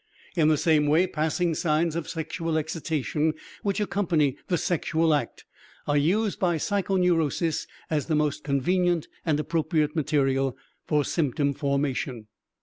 In the same way passing signs of sexual excitation, which accompany the sexual act, are used by psychoneurosis as the most convenient and appropriate material for symptom formation.